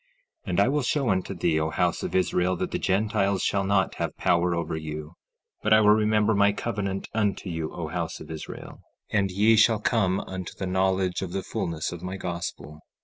16:12 And I will show unto thee, O house of Israel, that the Gentiles shall not have power over you; but I will remember my covenant unto you, O house of Israel, and ye shall come unto the knowledge of the fulness of my gospel.